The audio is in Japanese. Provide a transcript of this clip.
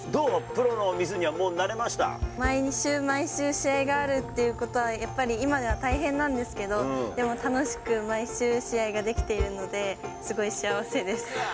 プロの水にはもう慣れ毎週毎週試合があるっていうことは、やっぱり、今では大変なんですけど、でも楽しく毎週試合ができているので、すごい幸せです。